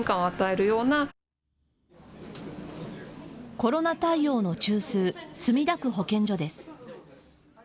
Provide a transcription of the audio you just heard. コロナ対応の中枢、墨田区保健所です。